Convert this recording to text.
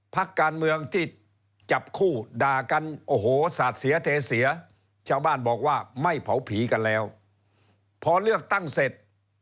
พอเลือกตั้งเสร็จ